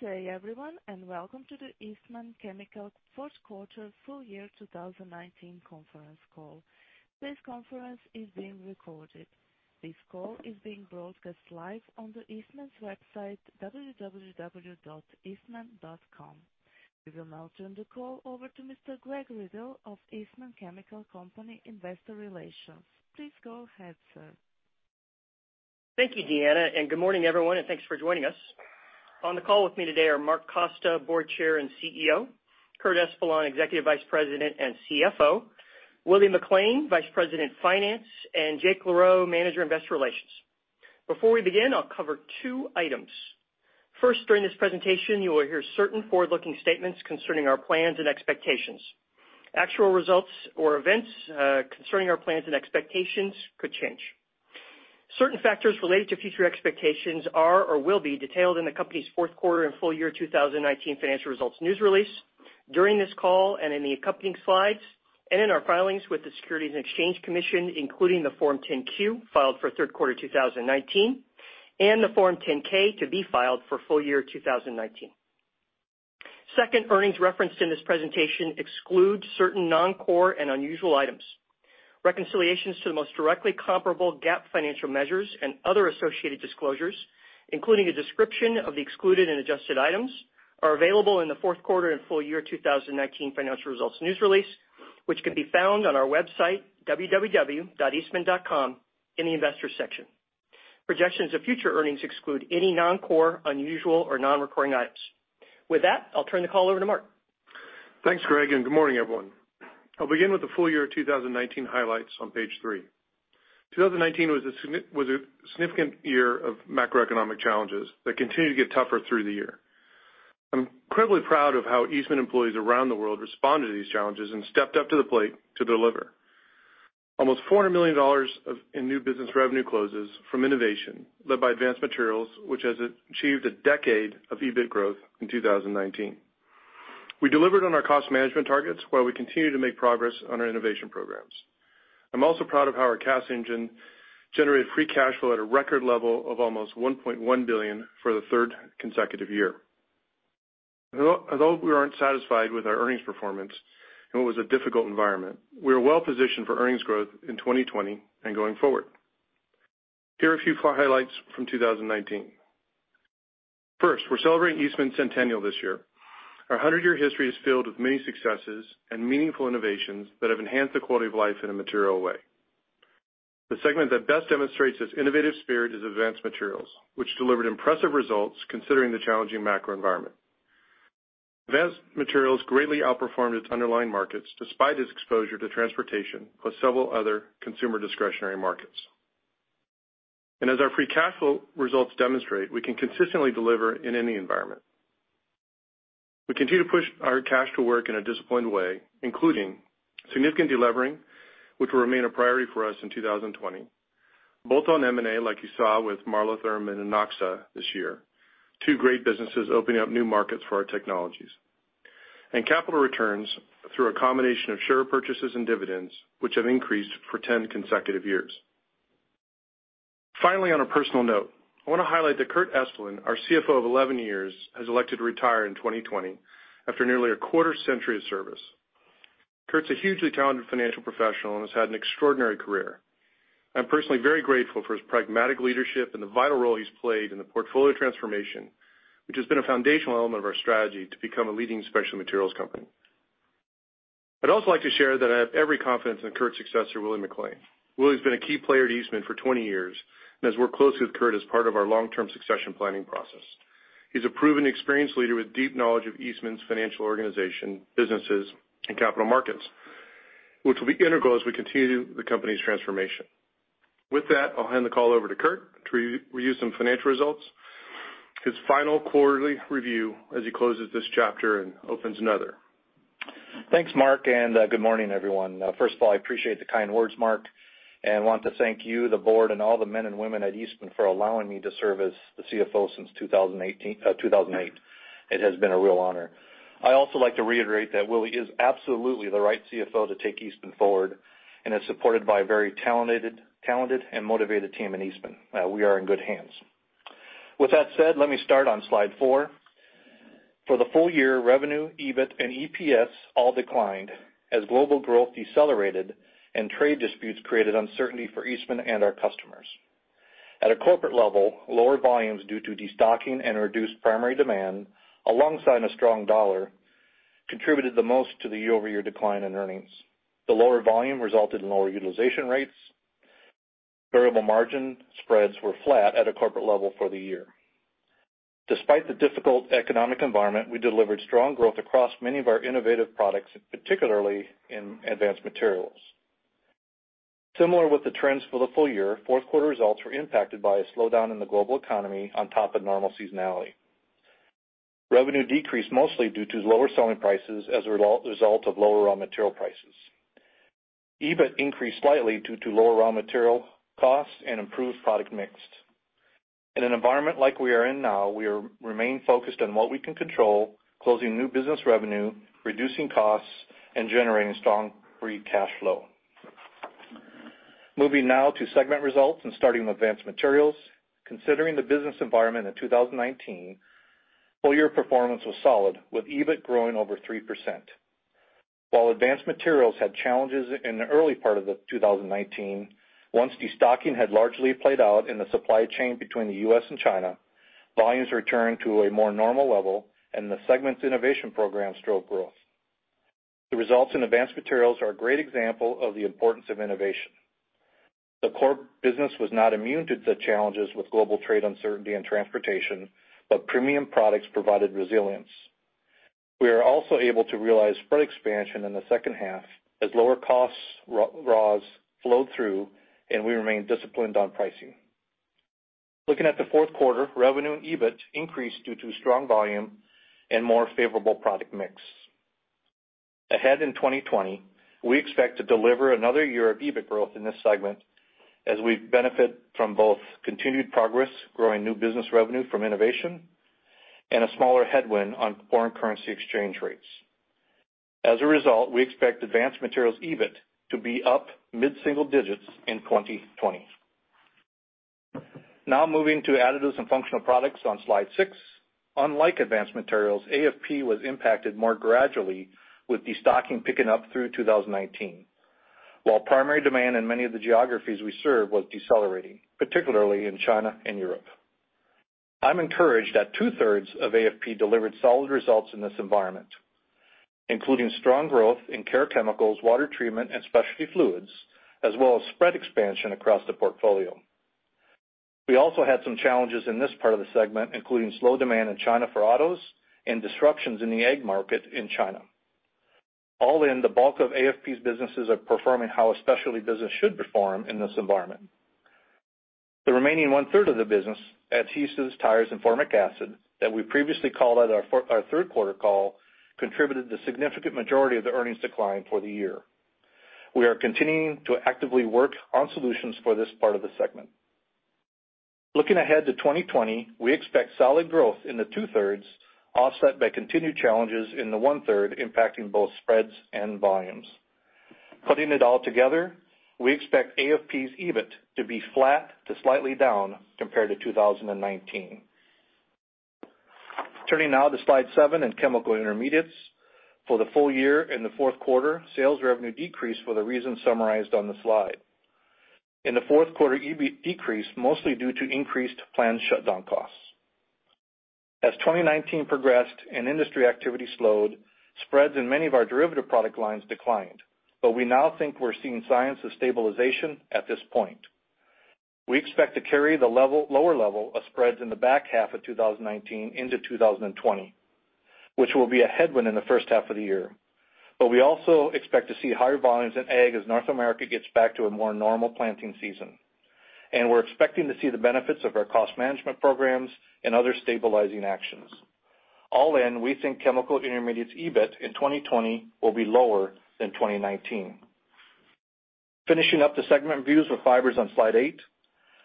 Good day, everyone, welcome to the Eastman Chemical fourth quarter full-year 2019 conference call. This conference is being recorded. This call is being broadcast live on the Eastman's website, www.eastman.com. We will now turn the call over to Mr. Greg Riddle of Eastman Chemical Company, Investor Relations. Please go ahead, sir. Thank you, Deanna, and good morning, everyone, and thanks for joining us. On the call with me today are Mark Costa, Board Chair and CEO, Curtis Espeland, Executive Vice President and CFO, Willie McLain, Vice President, Finance, and Jake LaRoe, Manager Investor Relations. Before we begin, I'll cover two items. First, during this presentation, you will hear certain forward-looking statements concerning our plans and expectations. Actual results or events concerning our plans and expectations could change. Certain factors related to future expectations are or will be detailed in the company's fourth quarter and full-year 2019 financial results news release, during this call, and in the accompanying slides, and in our filings with the Securities and Exchange Commission, including the Form 10-Q filed for third quarter 2019 and the Form 10-K to be filed for full-year 2019. Second, earnings referenced in this presentation exclude certain non-core and unusual items. Reconciliations to the most directly comparable GAAP financial measures and other associated disclosures, including a description of the excluded and adjusted items, are available in the fourth quarter and full-year 2019 financial results news release, which can be found on our website, www.eastman.com, in the investor section. Projections of future earnings exclude any non-core, unusual, or non-recurring items. With that, I'll turn the call over to Mark. Thanks, Greg, and good morning, everyone. I'll begin with the full-year 2019 highlights on page three. 2019 was a significant year of macroeconomic challenges that continued to get tougher through the year. I'm incredibly proud of how Eastman employees around the world responded to these challenges and stepped up to the plate to deliver. Almost $400 million in new business revenue closes from innovation led by Advanced Materials, which has achieved a decade of EBIT growth in 2019. We delivered on our cost management targets while we continue to make progress on our innovation programs. I'm also proud of how our cash engine generated free cash flow at a record level of almost $1.1 billion for the third consecutive year. Although we aren't satisfied with our earnings performance, and what was a difficult environment, we are well-positioned for earnings growth in 2020 and going forward. Here are a few highlights from 2019. First, we're celebrating Eastman's centennial this year. Our 100-year history is filled with many successes and meaningful innovations that have enhanced the quality of life in a material way. The segment that best demonstrates this innovative spirit is Advanced Materials, which delivered impressive results considering the challenging macro environment. Advanced Materials greatly outperformed its underlying markets despite its exposure to transportation, plus several other consumer discretionary markets. As our free cash flow results demonstrate, we can consistently deliver in any environment. We continue to push our cash to work in a disciplined way, including significant delevering, which will remain a priority for us in 2020, both on M&A, like you saw with Marlotherm and Inoxa this year, two great businesses opening up new markets for our technologies. Capital returns through a combination of share purchases and dividends, which have increased for 10 consecutive years. Finally, on a personal note, I want to highlight that Curtis Espeland, our CFO of 11 years, has elected to retire in 2020 after nearly a quarter-century of service. Curtis's a hugely talented financial professional and has had an extraordinary career. I'm personally very grateful for his pragmatic leadership and the vital role he's played in the portfolio transformation, which has been a foundational element of our strategy to become a leading specialty materials company. I'd also like to share that I have every confidence in Curtis's successor, Willie McLain. Willie's been a key player at Eastman for 20 years, and has worked closely with Curtis as part of our long-term succession planning process. He's a proven, experienced leader with deep knowledge of Eastman's financial organization, businesses, and capital markets, which will be integral as we continue the company's transformation. With that, I'll hand the call over to Curt to review some financial results. His final quarterly review as he closes this chapter and opens another. Thanks, Mark. Good morning, everyone. First of all, I appreciate the kind words, Mark, and want to thank you, the board, and all the men and women at Eastman for allowing me to serve as the CFO since 2008. It has been a real honor. I also like to reiterate that Willie is absolutely the right CFO to take Eastman forward, and is supported by a very talented and motivated team in Eastman. We are in good hands. With that said, let me start on slide four. For the full-year, revenue, EBIT, and EPS all declined as global growth decelerated and trade disputes created uncertainty for Eastman and our customers. At a corporate level, lower volumes due to destocking and reduced primary demand, alongside a strong dollar, contributed the most to the year-over-year decline in earnings. The lower volume resulted in lower utilization rates. Variable margin spreads were flat at a corporate level for the year. Despite the difficult economic environment, we delivered strong growth across many of our innovative products, particularly in Advanced Materials. Similar with the trends for the full-year, fourth quarter results were impacted by a slowdown in the global economy on top of normal seasonality. Revenue decreased mostly due to lower selling prices as a result of lower raw material prices. EBIT increased slightly due to lower raw material costs and improved product mix. In an environment like we are in now, we remain focused on what we can control, closing new business revenue, reducing costs, and generating strong free cash flow. Moving now to segment results and starting with Advanced Materials. Considering the business environment in 2019, full-year performance was solid, with EBIT growing over 3%. While Advanced Materials had challenges in the early part of 2019, once destocking had largely played out in the supply chain between the U.S. and China, volumes returned to a more normal level, and the segment's innovation program drove growth. The results in Advanced Materials are a great example of the importance of innovation. The core business was not immune to the challenges with global trade uncertainty and transportation, but premium products provided resilience. We are also able to realize spread expansion in the second half as lower costs, raws flowed through, and we remain disciplined on pricing. Looking at the fourth quarter, revenue and EBIT increased due to strong volume and more favorable product mix. Ahead in 2020, we expect to deliver another year of EBIT growth in this segment as we benefit from both continued progress growing new business revenue from innovation, and a smaller headwind on foreign currency exchange rates. We expect Advanced Materials EBIT to be up mid-single-digits in 2020. Moving to Additives & Functional Products on Slide six. Unlike Advanced Materials, AFP was impacted more gradually with destocking picking up through 2019. While primary demand in many of the geographies we serve was decelerating, particularly in China and Europe. I'm encouraged that two-thirds of AFP delivered solid results in this environment, including strong growth in care chemicals, water treatment, and specialty fluids, as well as spread expansion across the portfolio. We also had some challenges in this part of the segment, including slow demand in China for autos and disruptions in the ag market in China. All in, the bulk of AFP's businesses are performing how a specialty business should perform in this environment. The remaining one-third of the business, adhesives, tires, and formic acid that we previously called at our third quarter call, contributed the significant majority of the earnings decline for the year. We are continuing to actively work on solutions for this part of the segment. Looking ahead to 2020, we expect solid growth in the two-thirds, offset by continued challenges in the one-third, impacting both spreads and volumes. Putting it all together, we expect AFP's EBIT to be flat to slightly down compared to 2019. Turning now to Slide seven in Chemical Intermediates. For the full-year and the fourth quarter, sales revenue decreased for the reasons summarized on the slide. In the fourth quarter, EBIT decreased mostly due to increased planned shutdown costs. As 2019 progressed and industry activity slowed, spreads in many of our derivative product lines declined, but we now think we're seeing signs of stabilization at this point. We expect to carry the lower level of spreads in the back half of 2019 into 2020, which will be a headwind in the first half of the year. We also expect to see higher volumes in ag as North America gets back to a more normal planting season. We're expecting to see the benefits of our cost management programs and other stabilizing actions. All in, we think Chemical Intermediates EBIT in 2020 will be lower than 2019. Finishing up the segment views with Fibers on Slide eight.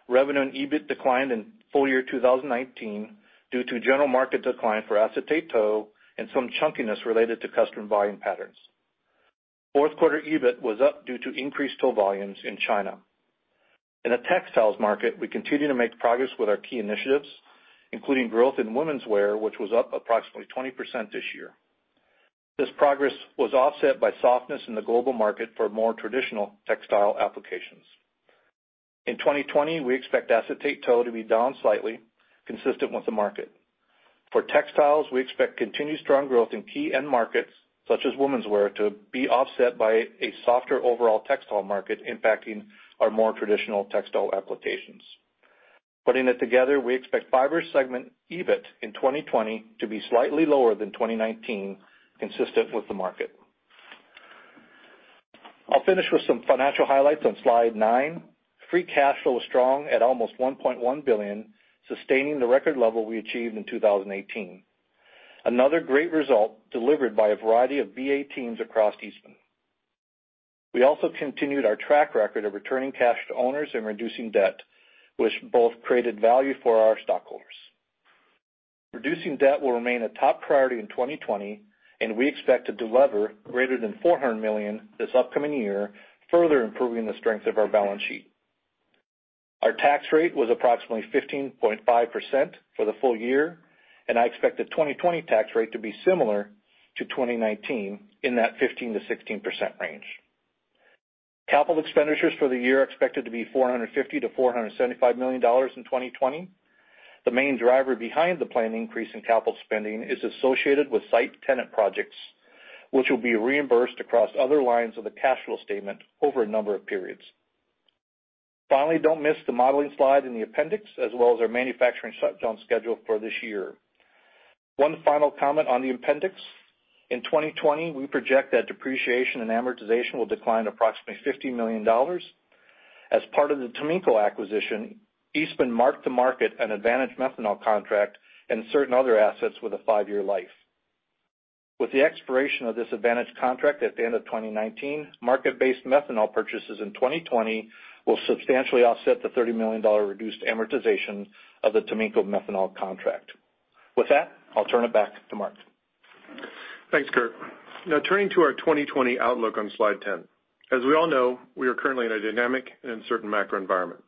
Revenue and EBIT declined in full-year 2019 due to general market decline for acetate tow and some chunkiness related to customer volume patterns. Fourth quarter EBIT was up due to increased tow volumes in China. In the textiles market, we continue to make progress with our key initiatives, including growth in womenswear, which was up approximately 20% this year. This progress was offset by softness in the global market for more traditional textile applications. In 2020, we expect acetate tow to be down slightly, consistent with the market. For textiles, we expect continued strong growth in key end markets, such as womenswear, to be offset by a softer overall textile market impacting our more traditional textile applications. Putting it together, we expect Fibers segment EBIT in 2020 to be slightly lower than 2019, consistent with the market. I'll finish with some financial highlights on Slide nine. Free cash flow was strong at almost $1.1 billion, sustaining the record level we achieved in 2018. Another great result delivered by a variety of BA teams across Eastman. We also continued our track record of returning cash to owners and reducing debt, which both created value for our stockholders. Reducing debt will remain a top priority in 2020, we expect to de-lever greater than $400 million this upcoming year, further improving the strength of our balance sheet. Our tax rate was approximately 15.5% for the full-year, I expect the 2020 tax rate to be similar to 2019 in that 15%-16% range. Capital expenditures for the year are expected to be $450 million-$475 million in 2020. The main driver behind the planned increase in capital spending is associated with site tenant projects, which will be reimbursed across other lines of the cash flow statement over a number of periods. Finally, don't miss the modeling slide in the appendix as well as our manufacturing shutdown schedule for this year. One final comment on the appendix. In 2020, we project that depreciation and amortization will decline approximately $50 million. As part of the Taminco acquisition, Eastman marked to market an advantage methanol contract and certain other assets with a five-year life. With the expiration of this advantage contract at the end of 2019, market-based methanol purchases in 2020 will substantially offset the $30 million reduced amortization of the Taminco methanol contract. With that, I'll turn it back to Mark. Thanks, Curtis. Now turning to our 2020 outlook on slide 10. As we all know, we are currently in a dynamic and uncertain macro environment.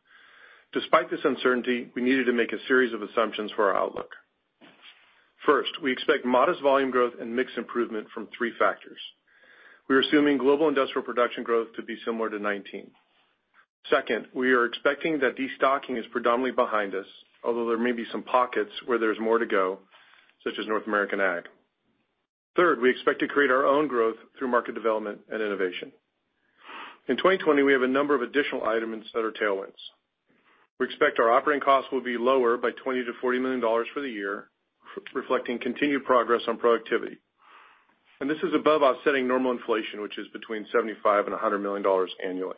Despite this uncertainty, we needed to make a series of assumptions for our outlook. First, we expect modest volume growth and mix improvement from three factors. We are assuming global industrial production growth to be similar to 2019. Second, we are expecting that destocking is predominantly behind us, although there may be some pockets where there's more to go, such as North American Ag. Third, we expect to create our own growth through market development and innovation. In 2020, we have a number of additional items that are tailwinds. We expect our operating costs will be lower by $20 million-$40 million for the year, reflecting continued progress on productivity. This is above offsetting normal inflation, which is between $75 million and $100 million annually.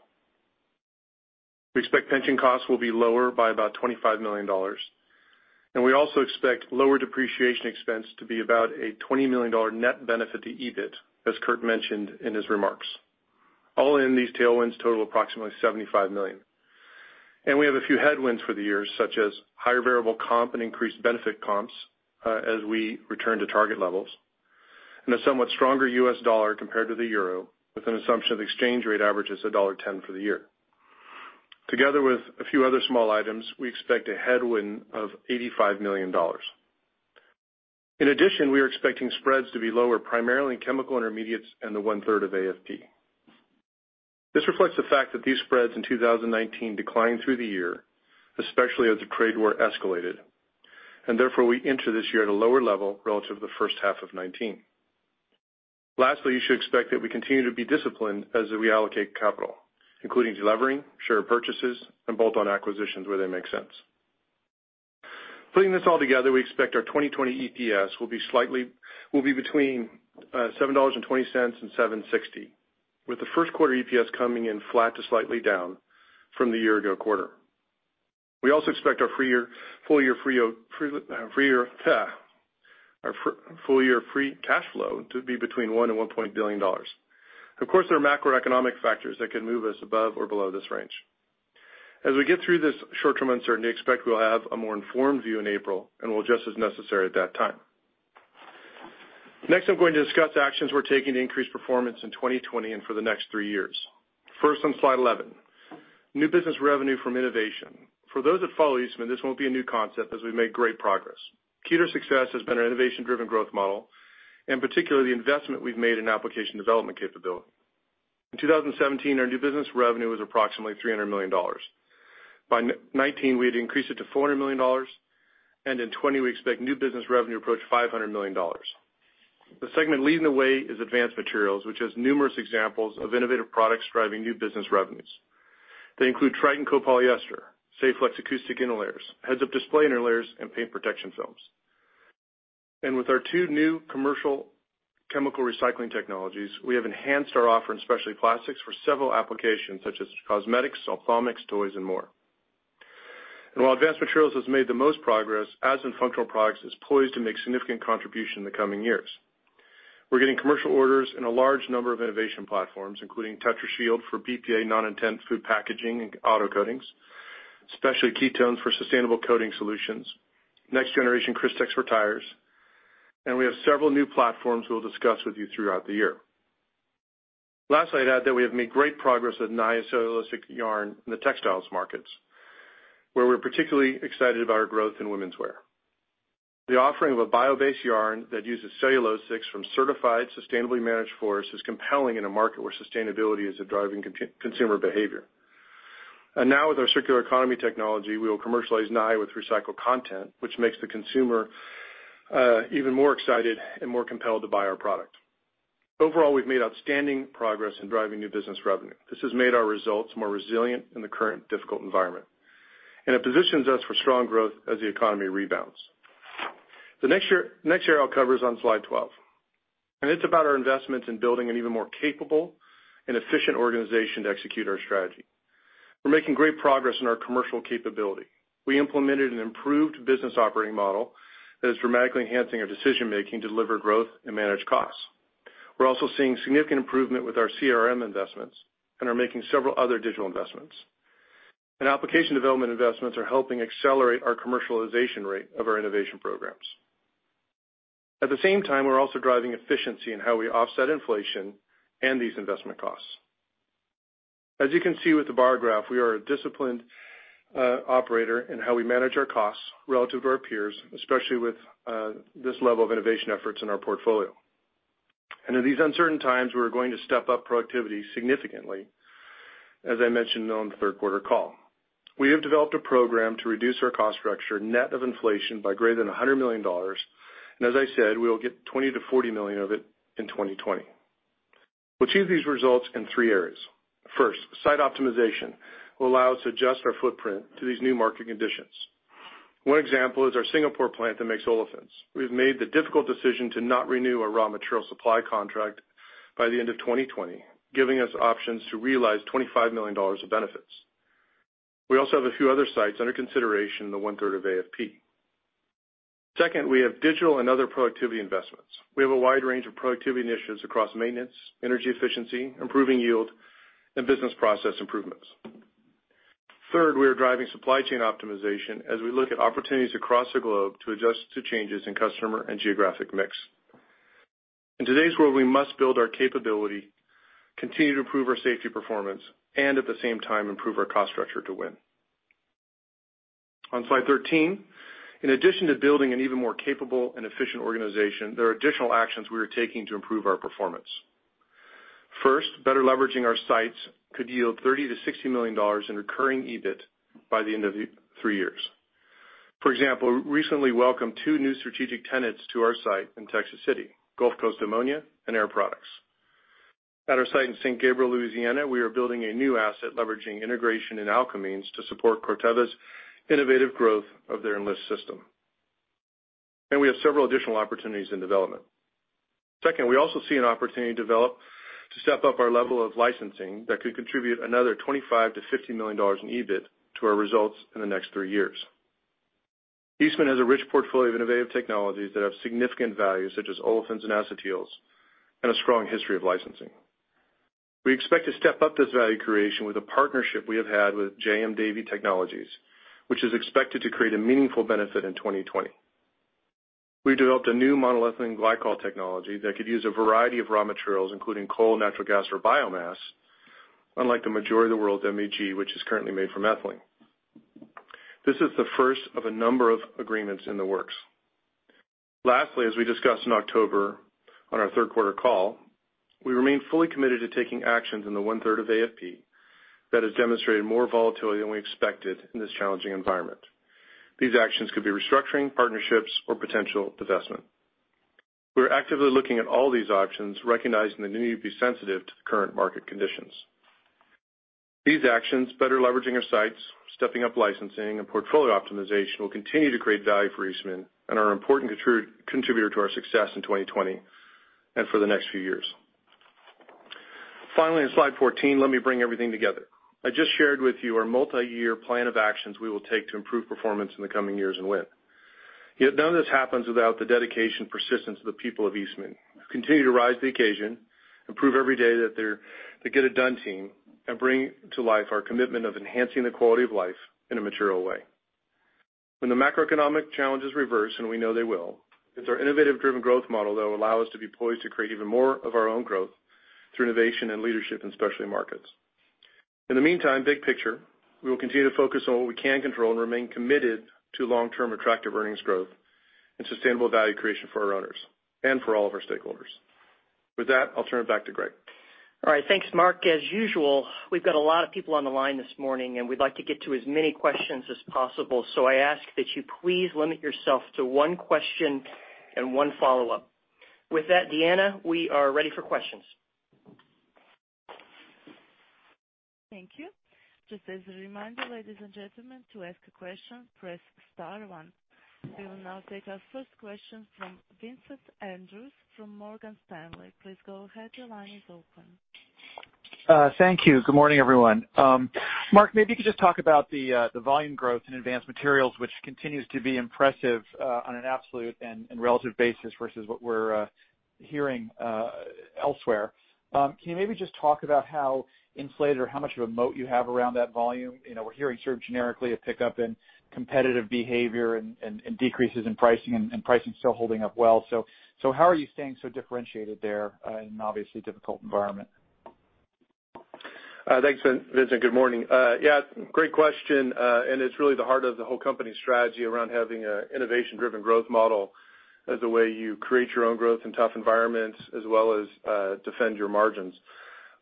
We expect pension costs will be lower by about $25 million. We also expect lower depreciation expense to be about a $20 million net benefit to EBIT, as Curtis mentioned in his remarks. All in these tailwinds total approximately $75 million. We have a few headwinds for the year, such as higher variable comp and increased benefit comps, as we return to target levels, and a somewhat stronger U.S. dollar compared to the EUR, with an assumption of exchange rate average is $1.10 for the year. Together with a few other small items, we expect a headwind of $85 million. In addition, we are expecting spreads to be lower, primarily in Chemical Intermediates and the one-third of AFP. This reflects the fact that these spreads in 2019 declined through the year, especially as the trade war escalated, and therefore we enter this year at a lower level relative to the first half of 2019. Lastly, you should expect that we continue to be disciplined as we allocate capital, including de-levering, share purchases, and bolt-on acquisitions where they make sense. Putting this all together, we expect our 2020 EPS will be between $7.20 and $7.60, with the first quarter EPS coming in flat to slightly down from the year ago quarter. We also expect our full-year free cash flow to be between $1 billion and $1.1 billion. Of course, there are macroeconomic factors that can move us above or below this range. As we get through this short-term uncertainty, expect we'll have a more informed view in April, and we'll adjust as necessary at that time. Next, I'm going to discuss actions we're taking to increase performance in 2020 and for the next three years. First, on slide 11. New business revenue from innovation. For those that follow Eastman, this won't be a new concept, as we've made great progress. Key to success has been our innovation-driven growth model, and particularly the investment we've made in application development capability. In 2017, our new business revenue was approximately $300 million. By 2019, we had increased it to $400 million, and in 2020, we expect new business revenue to approach $500 million. The segment leading the way is Advanced Materials, which has numerous examples of innovative products driving new business revenues. They include Tritan copolyester, Saflex acoustic interlayers, heads-up display interlayers, and paint protection films. With our two new commercial chemical recycling technologies, we have enhanced our offering specialty plastics for several applications such as cosmetics, ophthalmics, toys, and more. While Advanced Materials has made the most progress, Additives & Functional Products is poised to make significant contribution in the coming years. We're getting commercial orders in a large number of innovation platforms, including Tetrashield for BPA non-intent food packaging and auto coatings, specialty ketones for sustainable coating solutions, next generation Crystex for tires, and we have several new platforms we'll discuss with you throughout the year. Lastly, I'd add that we have made great progress with Naia cellulosic yarn in the textiles markets, where we're particularly excited about our growth in womenswear. The offering of a bio-based yarn that uses cellulosics from certified, sustainably managed forests is compelling in a market where sustainability is driving consumer behavior. Now with our circular economy technology, we will commercialize Naia with recycled content, which makes the consumer even more excited and more compelled to buy our product. Overall, we've made outstanding progress in driving new business revenue. This has made our results more resilient in the current difficult environment, and it positions us for strong growth as the economy rebounds. The next area I'll cover is on slide 12, it's about our investments in building an even more capable and efficient organization to execute our strategy. We're making great progress in our commercial capability. We implemented an improved business operating model that is dramatically enhancing our decision-making to deliver growth and manage costs. We're also seeing significant improvement with our CRM investments and are making several other digital investments. Application development investments are helping accelerate our commercialization rate of our innovation programs. At the same time, we're also driving efficiency in how we offset inflation and these investment costs. As you can see with the bar graph, we are a disciplined operator in how we manage our costs relative to our peers, especially with this level of innovation efforts in our portfolio. In these uncertain times, we are going to step up productivity significantly, as I mentioned on the third quarter call. We have developed a program to reduce our cost structure net of inflation by greater than $100 million, and as I said, we will get $20 million-$40 million of it in 2020. We'll achieve these results in three areas. First, site optimization will allow us to adjust our footprint to these new market conditions. One example is our Singapore plant that makes olefins. We've made the difficult decision to not renew our raw material supply contract by the end of 2020, giving us options to realize $25 million of benefits. We also have a few other sites under consideration in the one-third of AFP. Second, we have digital and other productivity investments. We have a wide range of productivity initiatives across maintenance, energy efficiency, improving yield, and business process improvements. Third, we are driving supply chain optimization as we look at opportunities across the globe to adjust to changes in customer and geographic mix. In today's world, we must build our capability, continue to improve our safety performance, and at the same time, improve our cost structure to win. On slide 13, in addition to building an even more capable and efficient organization, there are additional actions we are taking to improve our performance. First, better leveraging our sites could yield $30 million - $60 million in recurring EBIT by the end of three years. For example, we recently welcomed two new strategic tenants to our site in Texas City, Gulf Coast Ammonia and Air Products. At our site in St. Gabriel, Louisiana, we are building a new asset leveraging integration and alkylamines to support Corteva's innovative growth of their Enlist system. We have several additional opportunities in development. Second, we also see an opportunity develop to step up our level of licensing that could contribute another $25 million - $50 million in EBIT to our results in the next three years. Eastman has a rich portfolio of innovative technologies that have significant value, such as olefins and acetyls, and a strong history of licensing. We expect to step up this value creation with a partnership we have had with JM Davy Technologies, which is expected to create a meaningful benefit in 2020. We developed a new monoethylene glycol technology that could use a variety of raw materials, including coal, natural gas, or biomass, unlike the majority of the world's MEG, which is currently made from ethylene. This is the first of a number of agreements in the works. Lastly, as we discussed in October on our third quarter call, we remain fully committed to taking actions in the one-third of AFP that has demonstrated more volatility than we expected in this challenging environment. These actions could be restructuring, partnerships, or potential divestment. We're actively looking at all these options, recognizing the need to be sensitive to the current market conditions. These actions, better leveraging our sites, stepping up licensing, and portfolio optimization, will continue to create value for Eastman and are an important contributor to our success in 2020 and for the next few years. On slide 14, let me bring everything together. I just shared with you our multi-year plan of actions we will take to improve performance in the coming years and win. None of this happens without the dedication and persistence of the people of Eastman, who continue to rise to the occasion, and prove every day that they're the get-it-done team and bring to life our commitment of enhancing the quality of life in a material way. When the macroeconomic challenges reverse, and we know they will, it's our innovative driven growth model that will allow us to be poised to create even more of our own growth through innovation and leadership in specialty markets. In the meantime, big picture, we will continue to focus on what we can control and remain committed to long-term attractive earnings growth and sustainable value creation for our owners and for all of our stakeholders. With that, I'll turn it back to Greg. All right. Thanks, Mark. As usual, we've got a lot of people on the line this morning. We'd like to get to as many questions as possible. I ask that you please limit yourself to one question and one follow-up. With that, Deanna, we are ready for questions. Thank you. Just as a reminder, ladies and gentlemen, to ask a question, press star one. We will now take our first question from Vincent Andrews from Morgan Stanley. Please go ahead, your line is open. Thank you. Good morning, everyone. Mark, maybe you could just talk about the volume growth in Advanced Materials, which continues to be impressive on an absolute and relative basis versus what we're hearing elsewhere. Can you maybe just talk about how inflated or how much of a moat you have around that volume? We're hearing sort of generically a pickup in competitive behavior and decreases in pricing and pricing still holding up well. How are you staying so differentiated there in an obviously difficult environment? Thanks, Vincent. Good morning. Yeah, great question. It's really the heart of the whole company strategy around having an innovation-driven growth model as a way you create your own growth in tough environments as well as defend your margins.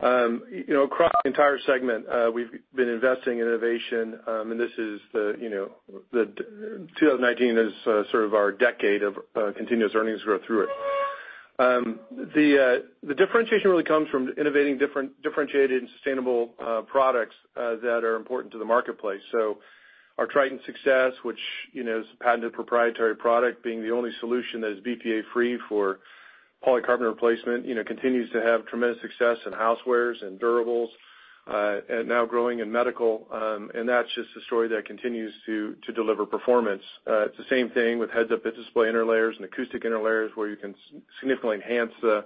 Across the entire segment, we've been investing in innovation, 2019 is sort of our decade of continuous earnings growth through it. The differentiation really comes from innovating differentiated and sustainable products that are important to the marketplace. Our Tritan success, which is a patented proprietary product, being the only solution that is BPA free for polycarbonate replacement, continues to have tremendous success in housewares and durables, and now growing in medical. That's just a story that continues to deliver performance. It's the same thing with heads-up display interlayers and acoustic interlayers where you can significantly enhance the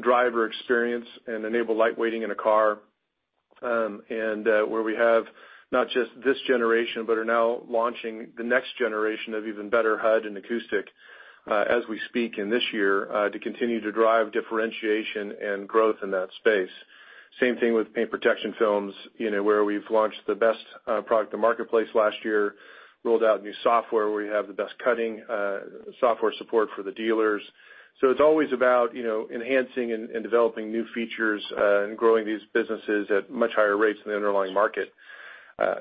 driver experience and enable light weighting in a car. Where we have not just this generation, but are now launching the next generation of even better HUD and acoustic as we speak in this year to continue to drive differentiation and growth in that space. Same thing with paint protection films, where we've launched the best product to marketplace last year, rolled out new software where we have the best cutting software support for the dealers. It's always about enhancing and developing new features, and growing these businesses at much higher rates than the underlying market.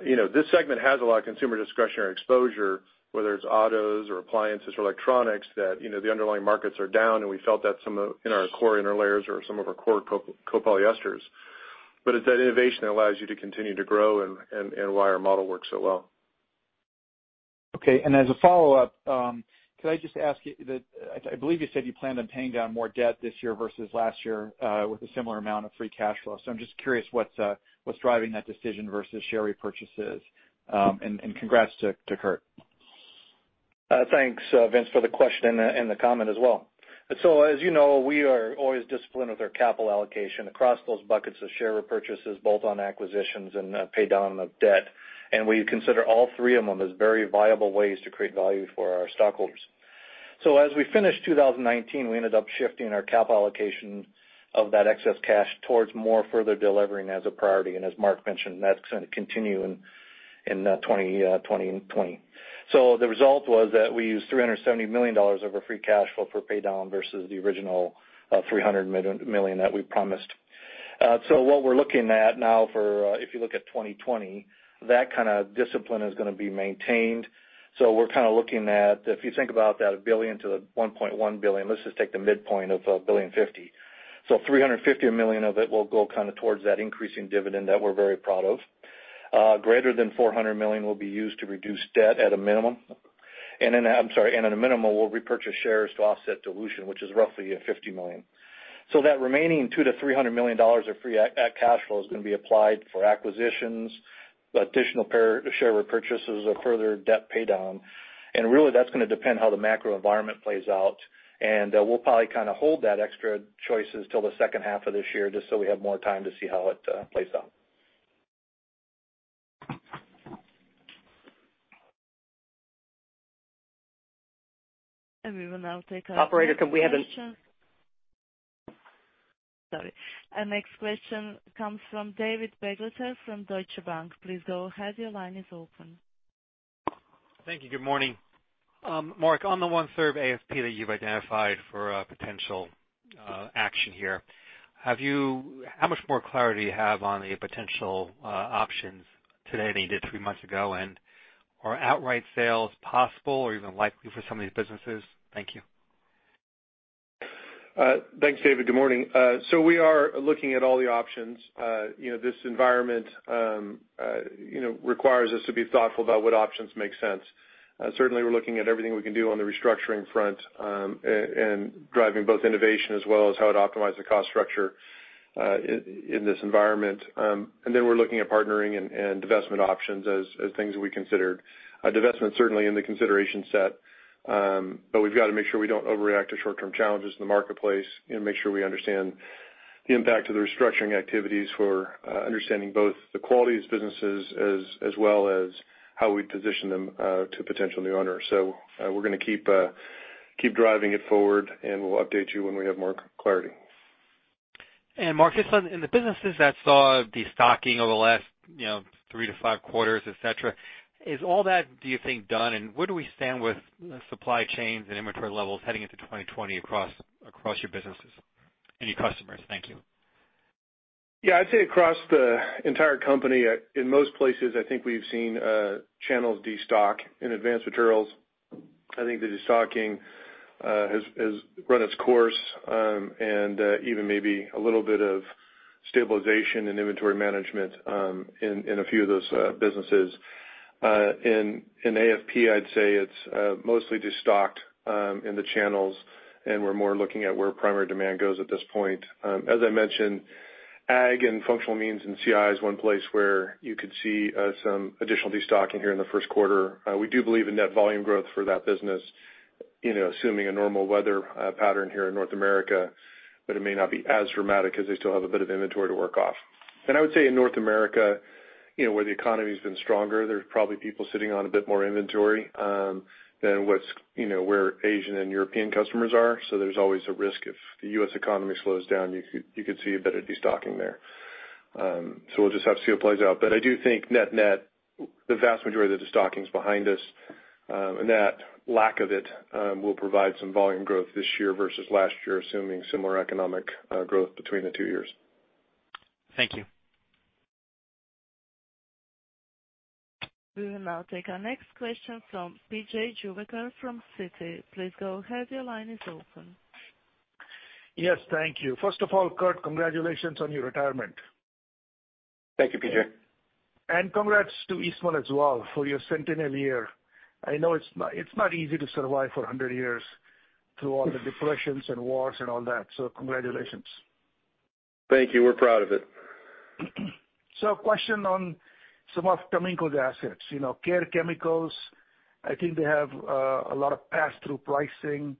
This segment has a lot of consumer discretionary exposure, whether it's autos or appliances or electronics, that the underlying markets are down, and we felt that some of in our core interlayers or some of our core copolymers. It's that innovation that allows you to continue to grow and why our model works so well. Okay, as a follow-up, could I just ask you, I believe you said you plan on paying down more debt this year versus last year with a similar amount of free cash flow. I'm just curious what's driving that decision versus share repurchases, and congrats to Curt. Thanks, Vince, for the question and the comment as well. As you know, we are always disciplined with our capital allocation across those buckets of share repurchases, both on acquisitions and pay down of debt. We consider all three of them as very viable ways to create value for our stockholders. As we finished 2019, we ended up shifting our cap allocation of that excess cash towards more further delevering as a priority. As Mark mentioned, that's going to continue in 2020. The result was that we used $370 million of our free cash flow for pay down versus the original $300 million that we promised. What we're looking at now for, if you look at 2020, that kind of discipline is going to be maintained. We're kind of looking at, if you think about that, $1 billion-$1.1 billion. Let's just take the midpoint of $1.05 billion. 350 million of it will go towards that increasing dividend that we're very proud of. Greater than $400 million will be used to reduce debt at a minimum. At a minimum, we'll repurchase shares to offset dilution, which is roughly at $50 million. That remaining $200 million-$300 million of free cash flow is going to be applied for acquisitions, additional share repurchases or further debt pay down. Really, that's going to depend how the macro environment plays out. We'll probably hold that extra choices till the second half of this year, just so we have more time to see how it plays out. We will now take our next question. Operator, can we have. Sorry. Our next question comes from David Begleiter from Deutsche Bank. Please go ahead. Your line is open. Thank you. Good morning. Mark, on the one-third AFP that you've identified for potential action here, how much more clarity do you have on the potential options today than you did three months ago, and are outright sales possible or even likely for some of these businesses? Thank you. Thanks, David. Good morning. We are looking at all the options. This environment requires us to be thoughtful about what options make sense. Certainly, we're looking at everything we can do on the restructuring front, and driving both innovation as well as how to optimize the cost structure in this environment. Then we're looking at partnering and divestment options as things we considered. Divestment certainly in the consideration set, but we've got to make sure we don't overreact to short-term challenges in the marketplace and make sure we understand the impact of the restructuring activities for understanding both the quality of these businesses as well as how we position them to potential new owners. We're going to keep driving it forward, and we'll update you when we have more clarity. Mark, just on the businesses that saw de-stocking over the last three to five quarters, et cetera, is all that, do you think, done? Where do we stand with supply chains and inventory levels heading into 2020 across your businesses and your customers? Thank you. Yeah, I'd say across the entire company, in most places, I think we've seen channels de-stock. In Advanced Materials, I think the de-stocking has run its course, and even maybe a little bit of stabilization in inventory management in a few of those businesses. In AFP, I'd say it's mostly de-stocked in the channels, and we're more looking at where primary demand goes at this point. As I mentioned, ag and functional amines in CI is one place where you could see some additional de-stocking here in the first quarter. We do believe in net volume growth for that business assuming a normal weather pattern here in North America, but it may not be as dramatic as they still have a bit of inventory to work off. I would say in North America, where the economy's been stronger, there's probably people sitting on a bit more inventory than where Asian and European customers are. There's always a risk if the U.S. economy slows down, you could see a bit of de-stocking there. We'll just have to see how it plays out. I do think net, the vast majority of the de-stocking's behind us, and that lack of it will provide some volume growth this year versus last year, assuming similar economic growth between the two years. Thank you. We will now take our next question from P.J. Juvekar from Citi. Please go ahead. Your line is open. Yes, thank you. First of all, Curtis, congratulations on your retirement. Thank you, P.J. Congrats to Eastman as well for your centennial year. I know it's not easy to survive for 100 years through all the depressions and wars and all that. Congratulations. Thank you. We're proud of it. A question on some of Taminco's assets. Care Chemicals, I think they have a lot of pass-through pricing,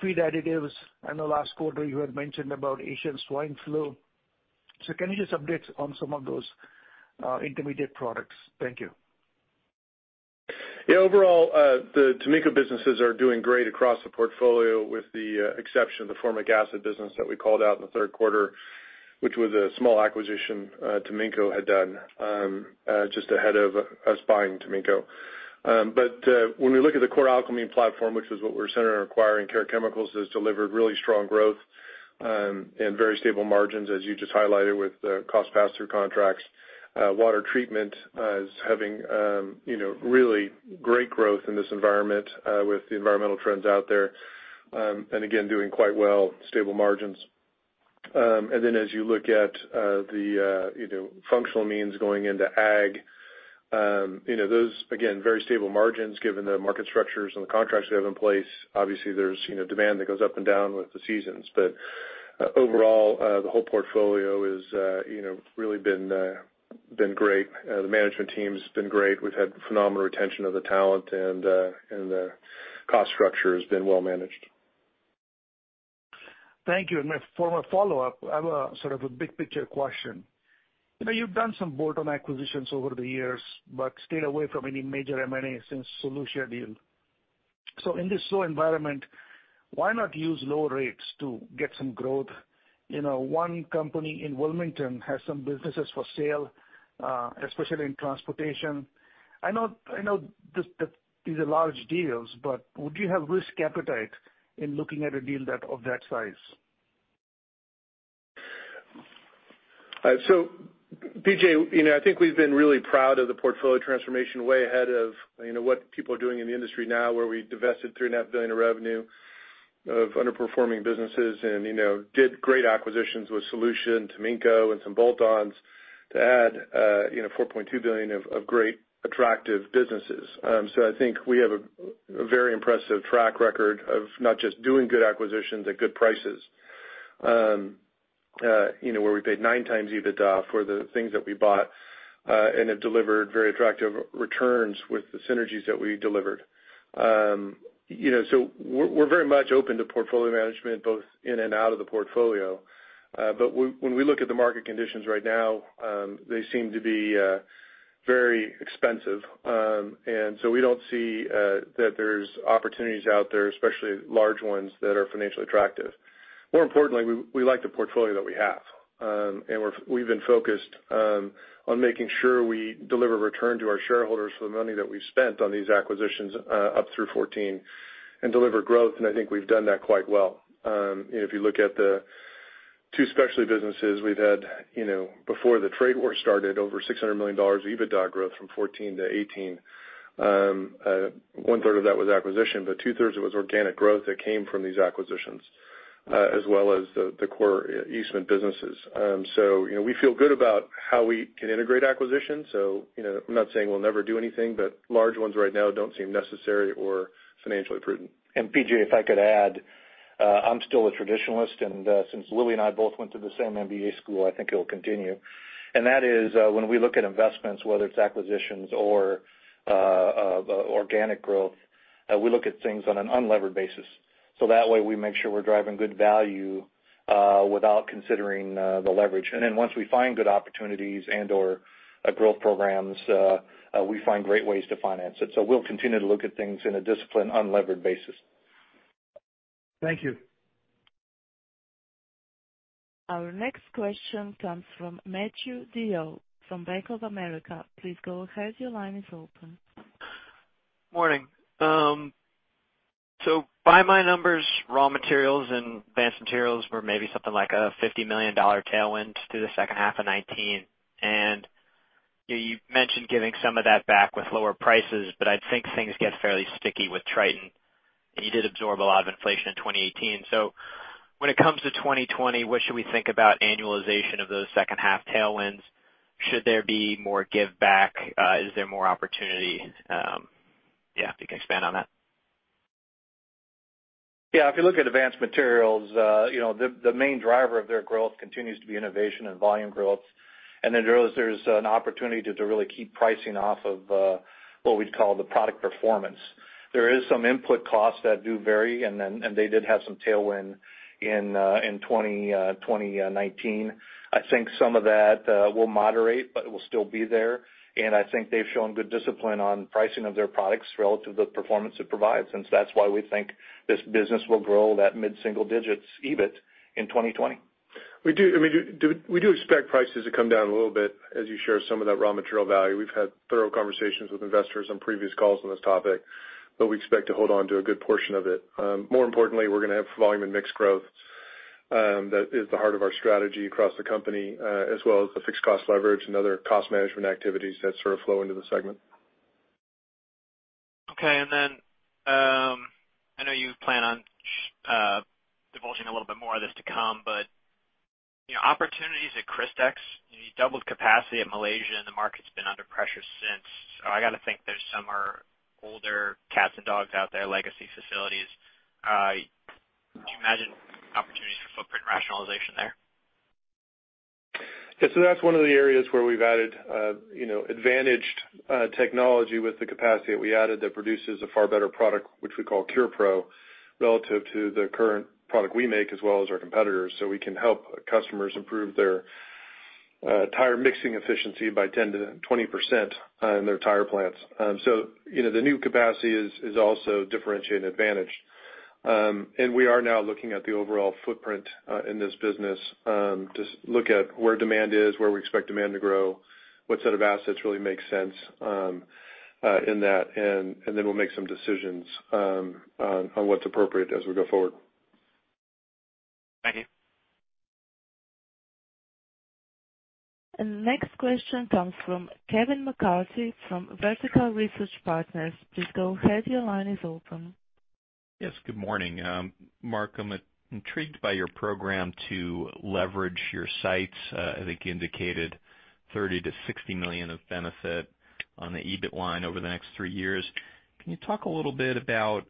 feed additives, and the last quarter you had mentioned about African Swine Fever. Can you just update on some of those intermediate products? Thank you. Overall, the Taminco businesses are doing great across the portfolio with the exception of the formic acid business that we called out in the third quarter, which was a small acquisition Taminco had done just ahead of us buying Taminco. When we look at the core alkylamine platform, which is what we're centered on acquiring, Care Chemicals has delivered really strong growth and very stable margins, as you just highlighted with the cost pass-through contracts. Water treatment is having really great growth in this environment with the environmental trends out there, and again, doing quite well, stable margins. As you look at the functional amines going into ag, those again, very stable margins given the market structures and the contracts we have in place. Obviously, there's demand that goes up and down with the seasons. Overall, the whole portfolio has really been great. The management team's been great. We've had phenomenal retention of the talent. The cost structure has been well managed. Thank you. For my follow-up, I have a sort of a big picture question. You've done some bolt-on acquisitions over the years, but stayed away from any major M&A since Solutia deal. In this slow environment, why not use low rates to get some growth? One company in Wilmington has some businesses for sale, especially in transportation. I know these are large deals, but would you have risk appetite in looking at a deal of that size? P.J., I think we've been really proud of the portfolio transformation way ahead of what people are doing in the industry now, where we divested $3.5 billion of revenue of underperforming businesses and did great acquisitions with Solutia, Taminco, and some bolt-ons to add $4.2 billion of great attractive businesses. I think we have a very impressive track record of not just doing good acquisitions at good prices where we paid 9 times EBITDA for the things that we bought, and have delivered very attractive returns with the synergies that we delivered. We're very much open to portfolio management, both in and out of the portfolio. When we look at the market conditions right now, they seem to be very expensive. We don't see that there's opportunities out there, especially large ones that are financially attractive. More importantly, we like the portfolio that we have. We've been focused on making sure we deliver return to our shareholders for the money that we've spent on these acquisitions up through 2014 and deliver growth, and I think we've done that quite well. If you look at the two specialty businesses we've had before the trade war started, over $600 million of EBITDA growth from 2014 - 2018. One third of that was acquisition, but two thirds of it was organic growth that came from these acquisitions, as well as the core Eastman businesses. We feel good about how we can integrate acquisitions. I'm not saying we'll never do anything, but large ones right now don't seem necessary or financially prudent. P.J, if I could add, I'm still a traditionalist, and since Louis and I both went to the same MBA school, I think it'll continue. That is, when we look at investments, whether it's acquisitions or organic growth, we look at things on an unlevered basis. That way we make sure we're driving good value without considering the leverage. Then once we find good opportunities and/or growth programs, we find great ways to finance it. We'll continue to look at things in a disciplined, unlevered basis. Thank you. Our next question comes from Matthew DeYoe from Bank of America. Please go ahead, your line is open. Morning. By my numbers, raw materials and Advanced Materials were maybe something like a $50 million tailwind through the second half of 2019. You mentioned giving some of that back with lower prices, but I'd think things get fairly sticky with Tritan, and you did absorb a lot of inflation in 2018. When it comes to 2020, what should we think about annualization of those second half tailwinds? Should there be more give back? Is there more opportunity? Yeah, if you can expand on that. Yeah, if you look at Advanced Materials, the main driver of their growth continues to be innovation and volume growth. There's an opportunity to really keep pricing off of what we'd call the product performance. There is some input costs that do vary, and they did have some tailwind in 2019. I think some of that will moderate, but it will still be there. I think they've shown good discipline on pricing of their products relative to the performance it provides, that's why we think this business will grow that mid-single-digits EBIT in 2020. We do expect prices to come down a little bit as you share some of that raw material value. We've had thorough conversations with investors on previous calls on this topic, we expect to hold on to a good portion of it. More importantly, we're going to have volume and mixed growth. That is the heart of our strategy across the company, as well as the fixed cost leverage and other cost management activities that sort of flow into the segment. Okay. I know you plan on divulging a little bit more of this to come, but opportunities at Crystex, you doubled capacity at Malaysia and the market's been under pressure since. I got to think there's some older cats and dogs out there, legacy facilities. Do you imagine opportunities for footprint rationalization there? That's one of the areas where we've added advantaged technology with the capacity that we added that produces a far better product, which we call Crystex Cure Pro, relative to the current product we make as well as our competitors. We can help customers improve their tire mixing efficiency by 10% - 20% in their tire plants. The new capacity is also differentiated advantage. We are now looking at the overall footprint in this business to look at where demand is, where we expect demand to grow, what set of assets really make sense in that, and then we'll make some decisions on what's appropriate as we go forward. Thank you. Next question comes from Kevin McCarthy from Vertical Research Partners. Please go ahead, your line is open. Yes, good morning. Mark, I'm intrigued by your program to leverage your sites. I think you indicated $30 million-$60 million of benefit on the EBIT line over the next three years. Can you talk a little bit about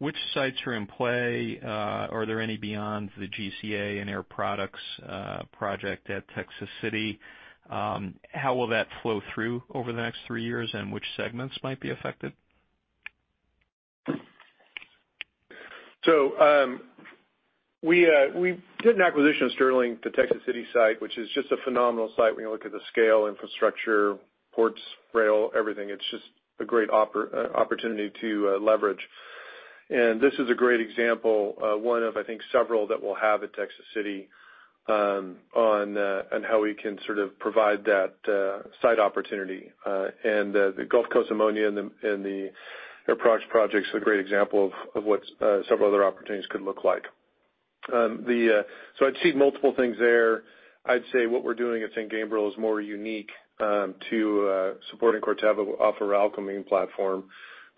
which sites are in play? Are there any beyond the GCA and Air Products project at Texas City? How will that flow through over the next three years, and which segments might be affected? We did an acquisition of Sterling, the Texas City site, which is just a phenomenal site. When you look at the scale, infrastructure, ports, rail, everything, it's just a great opportunity to leverage. This is a great example, one of, I think, several that we'll have at Texas City on how we can sort of provide that site opportunity. The Gulf Coast Ammonia and the Air Products project is a great example of what several other opportunities could look like. I'd see multiple things there. I'd say what we're doing at St. Gabriel is more unique to supporting Corteva off our alkylamine platform.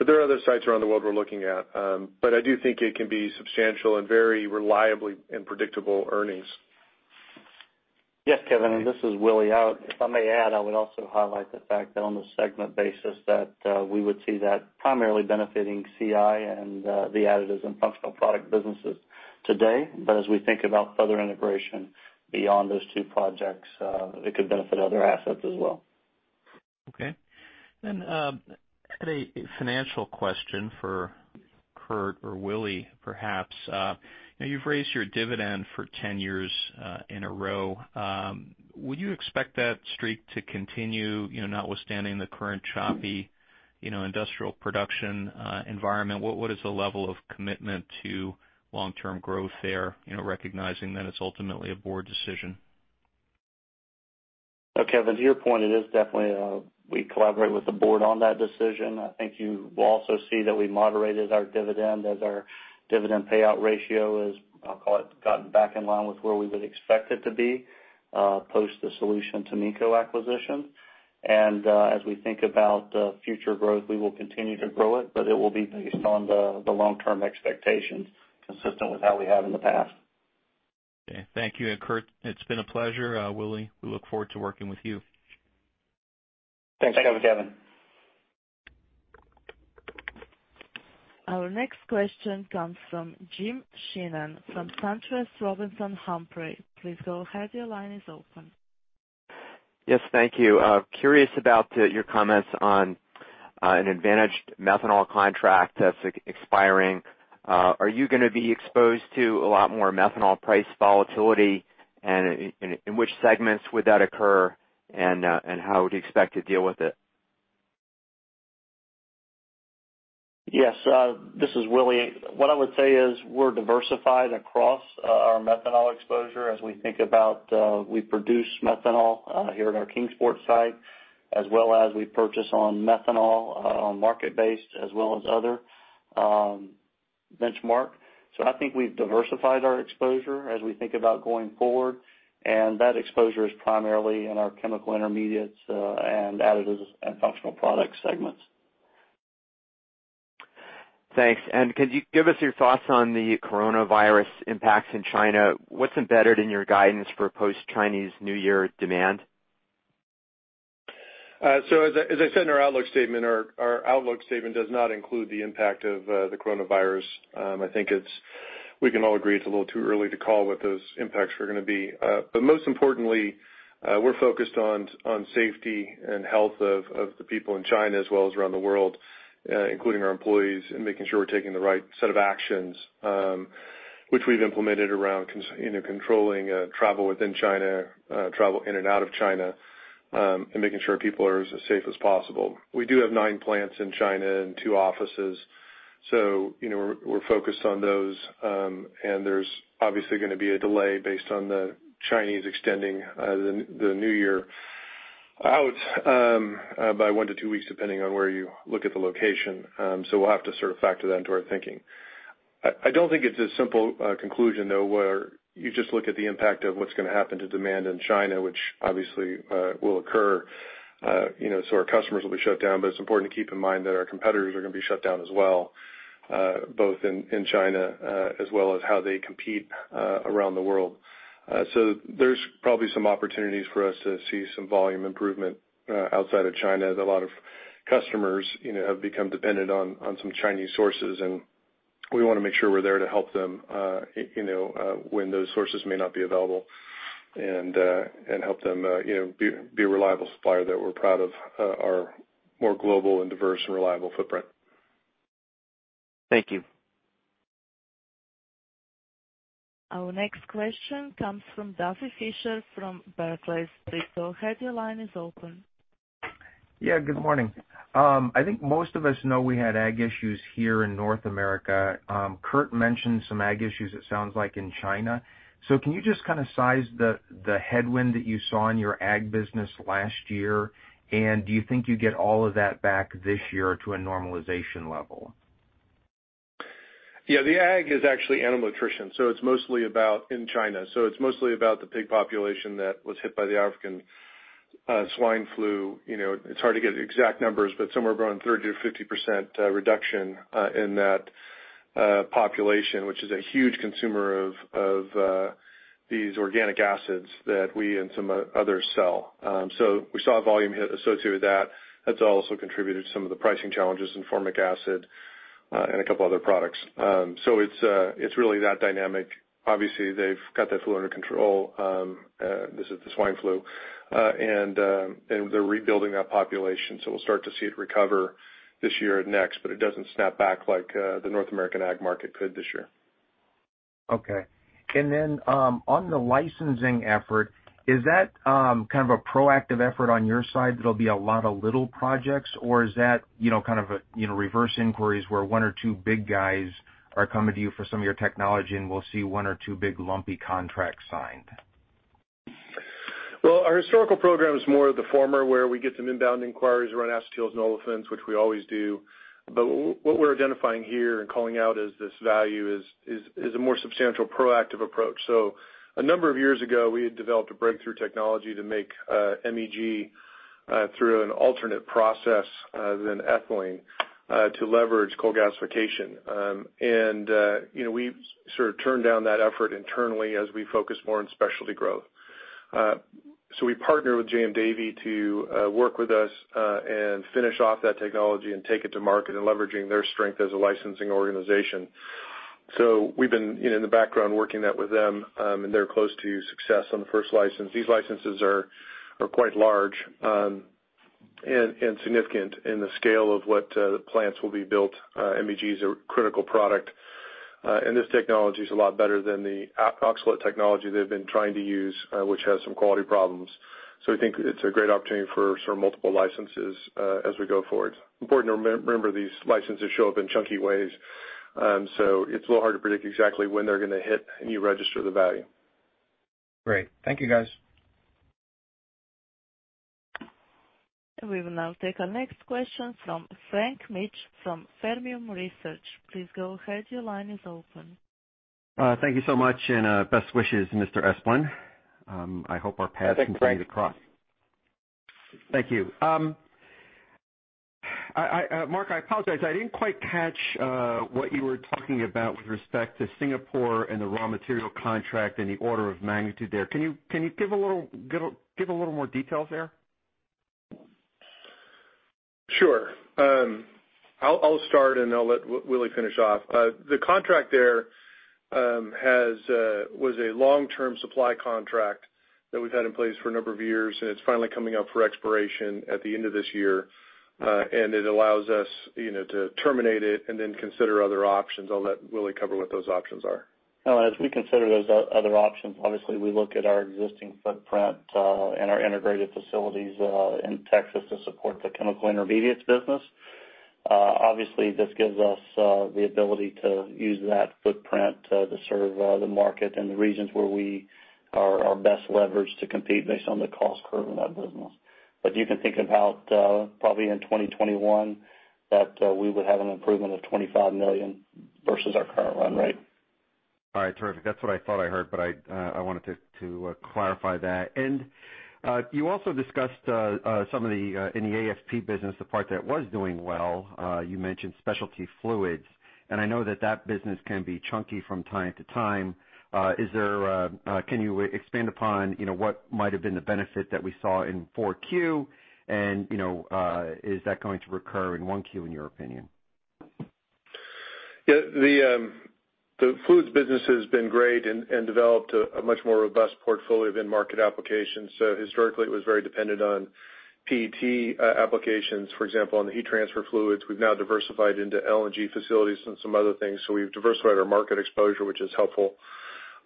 There are other sites around the world we're looking at. I do think it can be substantial and very reliably in predictable earnings. Yes, Kevin. This is Willie McLain. If I may add, I would also highlight the fact that on the segment basis that we would see that primarily benefiting CI and the Additives & Functional Products businesses today. As we think about further integration beyond those two projects, it could benefit other assets as well. Okay. A financial question for Curtis or Willie, perhaps. You've raised your dividend for 10 years in a row. Would you expect that streak to continue notwithstanding the current choppy industrial production environment? What is the level of commitment to long-term growth there, recognizing that it's ultimately a board decision? Kevin, to your point, it is definitely we collaborate with the board on that decision. I think you will also see that we moderated our dividend as our dividend payout ratio is, I'll call it, gotten back in line with where we would expect it to be post the Solutia Taminco acquisition. As we think about future growth, we will continue to grow it, but it will be based on the long-term expectations consistent with how we have in the past. Okay. Thank you. Curt, it's been a pleasure. Willie, we look forward to working with you. Thanks, Kevin. Thanks, Kevin. Our next question comes from Jim Sison from SunTrust Robinson Humphrey. Please go ahead, your line is open. Yes, thank you. Curious about your comments on an advantaged methanol contract that's expiring. Are you going to be exposed to a lot more methanol price volatility? In which segments would that occur? How would you expect to deal with it? Yes. This is Willie. What I would say is we're diversified across our methanol exposure as we think about we produce methanol here at our Kingsport site, as well as we purchase on methanol on market-based as well as other benchmark. I think we've diversified our exposure as we think about going forward, and that exposure is primarily in our Chemical Intermediates and Additives & Functional Products segments. Thanks. Could you give us your thoughts on the coronavirus impacts in China? What's embedded in your guidance for post-Chinese New Year demand? As I said in our outlook statement, our outlook statement does not include the impact of the coronavirus. I think we can all agree it's a little too early to call what those impacts are going to be. Most importantly, we're focused on safety and health of the people in China as well as around the world including our employees and making sure we're taking the right set of actions which we've implemented around controlling travel within China, travel in and out of China and making sure people are as safe as possible. We do have nine plants in China and two offices. There's obviously going to be a delay based on the Chinese extending the New Year out by one to two weeks, depending on where you look at the location. We'll have to sort of factor that into our thinking. I don't think it's a simple conclusion, though, where you just look at the impact of what's going to happen to demand in China, which obviously will occur. Our customers will be shut down, but it's important to keep in mind that our competitors are going to be shut down as well both in China as well as how they compete around the world. There's probably some opportunities for us to see some volume improvement outside of China as a lot of customers have become dependent on some Chinese sources, and we want to make sure we're there to help them when those sources may not be available and help them be a reliable supplier that we're proud of our more global and diverse and reliable footprint. Thank you. Our next question comes from Duffy Fischer from Barclays. Please go ahead, your line is open. Good morning. I think most of us know we had ag issues here in North America. Curtis mentioned some ag issues it sounds like in China. Can you just kind of size the headwind that you saw in your ag business last year? Do you think you get all of that back this year to a normalization level? Yeah, the ag is actually animal nutrition. It's mostly about in China. It's mostly about the pig population that was hit by the African Swine Fever. It's hard to get exact numbers, but somewhere around 30%-50% reduction in that population, which is a huge consumer of these organic acids that we and some others sell. We saw a volume hit associated with that. That's also contributed to some of the pricing challenges in formic acid, and a couple other products. It's really that dynamic. Obviously, they've got that flu under control, this is the swine flu, and they're rebuilding that population, so we'll start to see it recover this year and next, but it doesn't snap back like the North American ag market could this year. Okay. On the licensing effort, is that kind of a proactive effort on your side that'll be a lot of little projects, or is that kind of reverse inquiries where one or two big guys are coming to you for some of your technology, and we'll see one or two big lumpy contracts signed? Our historical program is more of the former, where we get some inbound inquiries around acetyls and olefins, which we always do. What we're identifying here and calling out as this value is a more substantial proactive approach. A number of years ago, we had developed a breakthrough technology to make MEG through an alternate process other than ethylene, to leverage coal gasification. We sort of turned down that effort internally as we focus more on specialty growth. We partnered with JM Davy to work with us, and finish off that technology and take it to market and leveraging their strength as a licensing organization. We've been in the background working that with them, and they're close to success on the first license. These licenses are quite large and significant in the scale of what the plants will be built. MEG's a critical product. This technology's a lot better than the oxalate technology they've been trying to use, which has some quality problems. We think it's a great opportunity for sort of multiple licenses as we go forward. Important to remember these licenses show up in chunky ways. It's a little hard to predict exactly when they're gonna hit, and you register the value. Great. Thank you, guys. We will now take our next question from Frank Mitsch from Fermium Research. Please go ahead. Your line is open. Thank you so much, and best wishes, Mr. Eastman. Thanks, Frank. continue to cross. Thank you. Mark, I apologize, I didn't quite catch what you were talking about with respect to Singapore and the raw material contract and the order of magnitude there. Can you give a little more details there? Sure. I'll start, and I'll let Willie finish off. The contract there was a long-term supply contract that we've had in place for a number of years, and it's finally coming up for expiration at the end of this year. It allows us to terminate it and then consider other options. I'll let Willie cover what those options are. As we consider those other options, obviously, we look at our existing footprint, and our integrated facilities in Texas to support the Chemical Intermediates business. This gives us the ability to use that footprint to serve the market and the regions where we are best leveraged to compete based on the cost curve in that business. You can think about, probably in 2021, that we would have an improvement of $25 million versus our current run rate. All right. Terrific. That's what I thought I heard, but I wanted to clarify that. You also discussed in the AFP business, the part that was doing well. You mentioned specialty fluids. I know that that business can be chunky from time to time. Can you expand upon what might have been the benefit that we saw in 4Q, and is that going to recur in Q1, in your opinion? Yeah. The fluids business has been great and developed a much more robust portfolio than market applications. Historically, it was very dependent on PET applications, for example, on the heat transfer fluids. We've now diversified into LNG facilities and some other things. We've diversified our market exposure, which is helpful.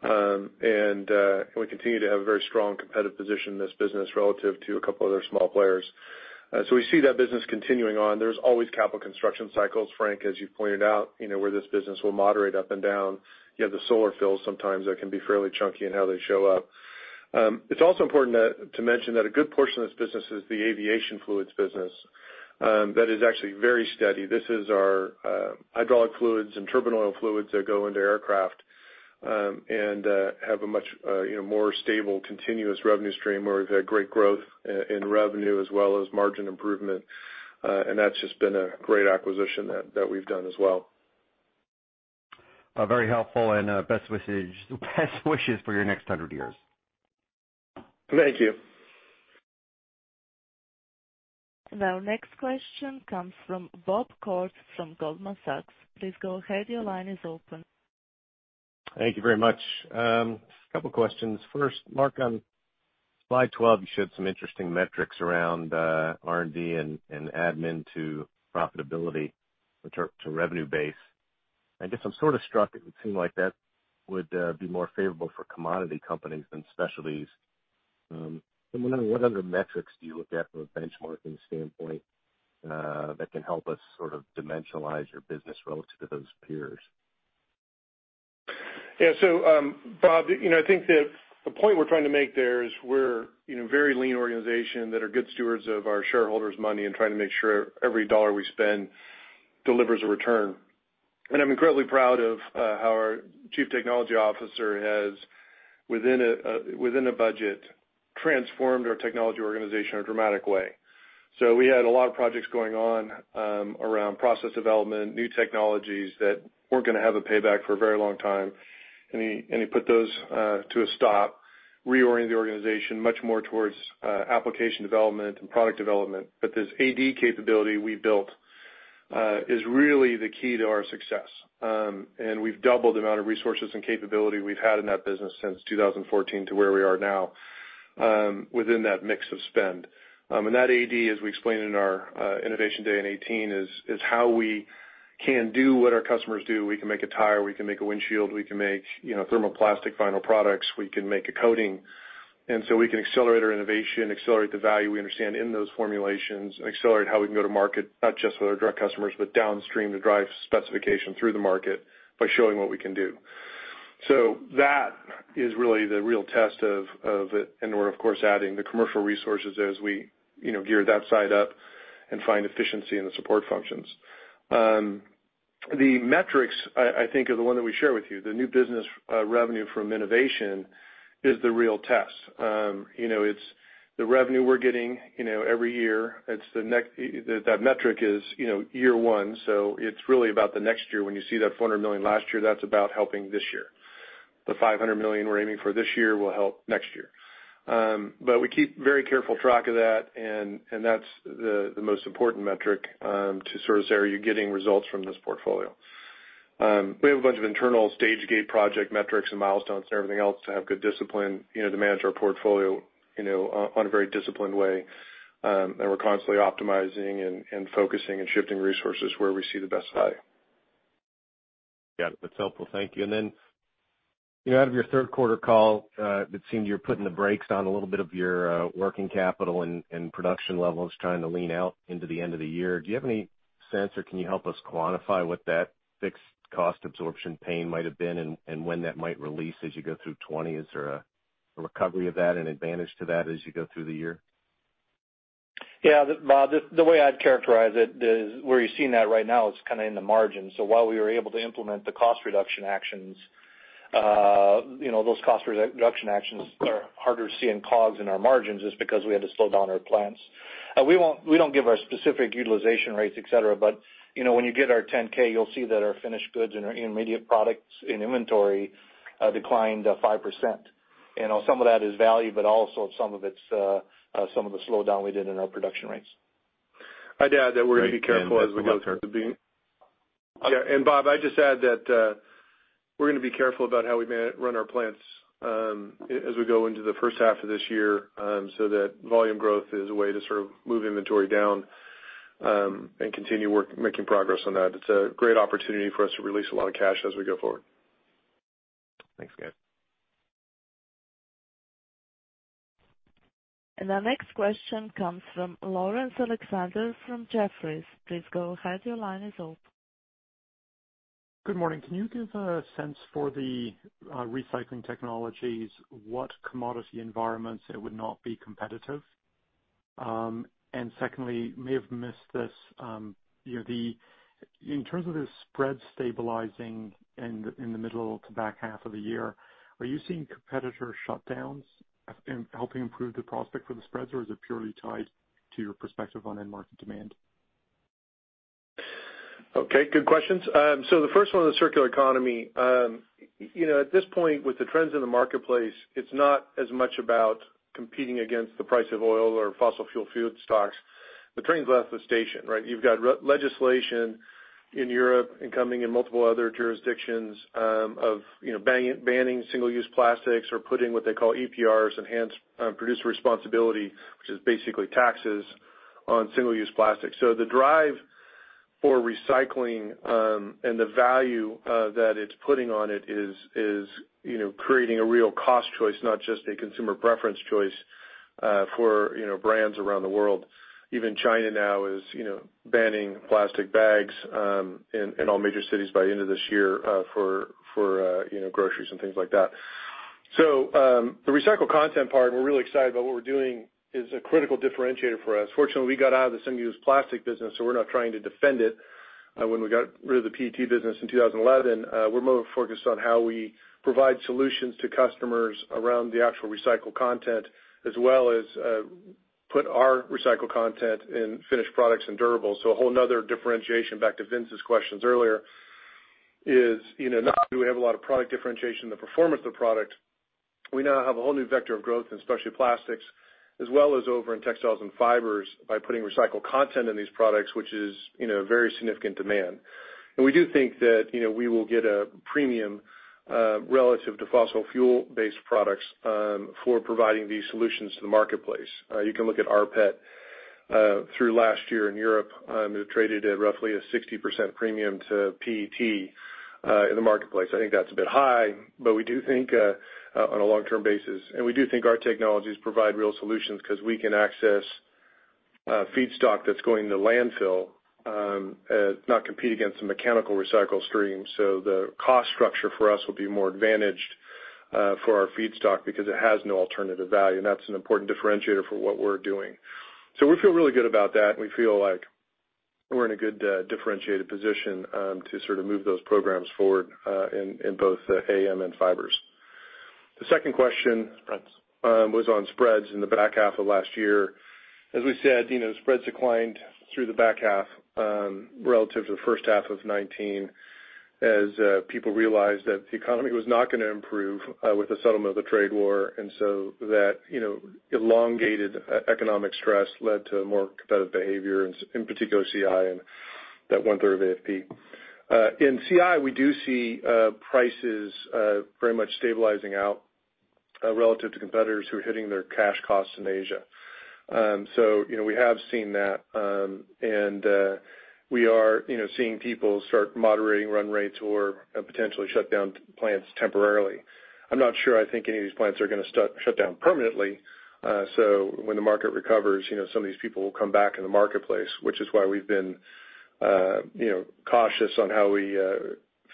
We continue to have a very strong competitive position in this business relative to a couple other small players. We see that business continuing on. There's always capital construction cycles, Frank, as you've pointed out, where this business will moderate up and down. You have the solar fills sometimes that can be fairly chunky in how they show up. It's also important to mention that a good portion of this business is the aviation fluids business. That is actually very steady. This is our hydraulic fluids and turbine oil fluids that go into aircraft, have a much more stable, continuous revenue stream where we've had great growth in revenue as well as margin improvement. That's just been a great acquisition that we've done as well. Very helpful, and best wishes for your next 100 years. Thank you. Next question comes from Bob Koort from Goldman Sachs. Please go ahead, your line is open. Thank you very much. Couple questions. First, Mark, on slide 12, you showed some interesting metrics around R&D and admin to profitability to revenue base. I guess I'm sort of struck, it would seem like that would be more favorable for commodity companies than specialties. I'm wondering what other metrics do you look at from a benchmarking standpoint that can help us sort of dimensionalize your business relative to those peers? Bob, I think that the point we're trying to make there is we're a very lean organization that are good stewards of our shareholders' money and trying to make sure every dollar we spend delivers a return. I'm incredibly proud of how our chief technology officer has, within a budget, transformed our technology organization in a dramatic way. We had a lot of projects going on around process development, new technologies that weren't going to have a payback for a very long time. He put those to a stop, reoriented the organization much more towards application development and product development. This AD capability we built is really the key to our success. We've doubled the amount of resources and capability we've had in that business since 2014 to where we are now within that mix of spend. That AD, as we explained in our Innovation Day in 2018, is how we can do what our customers do. We can make a tire, we can make a windshield, we can make thermoplastic final products, we can make a coating. We can accelerate our innovation, accelerate the value we understand in those formulations, and accelerate how we can go to market, not just with our direct customers, but downstream to drive specification through the market by showing what we can do. That is really the real test of it, and we're of course, adding the commercial resources as we gear that side up and find efficiency in the support functions. The metrics, I think, are the one that we share with you. The new business revenue from innovation is the real test. It's the revenue we're getting every year. That metric is year one. It's really about the next year. When you see that $400 million last year, that's about helping this year. The $500 million we're aiming for this year will help next year. We keep very careful track of that, and that's the most important metric to sort of say, are you getting results from this portfolio? We have a bunch of internal stage gate project metrics and milestones and everything else to have good discipline to manage our portfolio on a very disciplined way. We're constantly optimizing and focusing and shifting resources where we see the best value. Yeah, that's helpful. Thank you. Out of your third quarter call, it seemed you were putting the brakes on a little bit of your working capital and production levels trying to lean out into the end of the year. Do you have any sense, or can you help us quantify what that fixed cost absorption pain might have been and when that might release as you go through 2020? Is there a recovery of that, an advantage to that as you go through the year? Yeah. Bob, the way I'd characterize it is where you're seeing that right now is kind of in the margin. While we were able to implement the cost reduction actions, those cost reduction actions are harder to see in COGS in our margins is because we had to slow down our plants. We don't give our specific utilization rates, et cetera, when you get our 10-K, you'll see that our finished goods and our intermediate products in inventory declined 5%. Some of that is value, also some of it's some of the slowdown we did in our production rates. Yeah, Bob, I'd just add that we're going to be careful about how we run our plants as we go into the first half of this year, so that volume growth is a way to sort of move inventory down and continue work making progress on that. It's a great opportunity for us to release a lot of cash as we go forward. Thanks, guys. Our next question comes from Laurence Alexander from Jefferies. Please go ahead. Your line is open. Good morning. Can you give a sense for the recycling technologies, what commodity environments it would not be competitive? Secondly, may have missed this. In terms of the spread stabilizing in the middle to back half of the year, are you seeing competitor shutdowns helping improve the prospect for the spreads, or is it purely tied to your perspective on end market demand? Okay, good questions. The first one on the circular economy. At this point, with the trends in the marketplace, it's not as much about competing against the price of oil or fossil fuel feedstocks. The train's left the station, right? You've got legislation in Europe and coming in multiple other jurisdictions of banning single-use plastics or putting what they call EPRs, extended producer responsibility, which is basically taxes on single-use plastic. The drive for recycling and the value that it's putting on it is creating a real cost choice, not just a consumer preference choice for brands around the world. Even China now is banning plastic bags in all major cities by end of this year for groceries and things like that. The recycled content part, and we're really excited about what we're doing, is a critical differentiator for us. Fortunately, we got out of the single-use plastic business, so we're not trying to defend it when we got rid of the PET business in 2011. We're more focused on how we provide solutions to customers around the actual recycled content, as well as put our recycled content in finished products and durables. A whole other differentiation, back to Vincent's questions earlier, is not only do we have a lot of product differentiation in the performance of the product, we now have a whole new vector of growth in specialty plastics as well as over in textiles and fibers by putting recycled content in these products, which is a very significant demand. We do think that we will get a premium relative to fossil fuel-based products for providing these solutions to the marketplace. You can look at rPET through last year in Europe. It traded at roughly a 60% premium to PET in the marketplace. I think that's a bit high, but we do think on a long-term basis. We do think our technologies provide real solutions because we can access feedstock that's going to landfill, not compete against the mechanical recycle stream. The cost structure for us will be more advantaged for our feedstock because it has no alternative value, and that's an important differentiator for what we're doing. We feel really good about that, and we feel like we're in a good differentiated position to sort of move those programs forward in both AAM and Fibers. The second question- Spreads was on spreads in the back half of last year. As we said, spreads declined through the back half relative to the first half of 2019, as people realized that the economy was not going to improve with the settlement of the trade war. That elongated economic stress led to more competitive behavior in particular CI and that one-third of AFP. In CI, we do see prices very much stabilizing out relative to competitors who are hitting their cash costs in Asia. We have seen that, and we are seeing people start moderating run rates or potentially shut down plants temporarily. I'm not sure I think any of these plants are going to shut down permanently, so when the market recovers, some of these people will come back in the marketplace, which is why we've been cautious on how we